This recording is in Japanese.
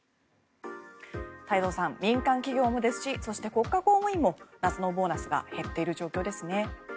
太蔵さん、民間企業もですしそして国家公務員も夏のボーナスが減っている状況ですね。